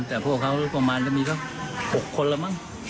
แต่พวกเขาประมาณมี๖คนล่ะมั้ง